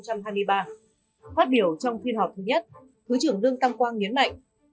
phát biểu trong phiên họp thứ nhất thứ trưởng lương tam quang nhấn mạnh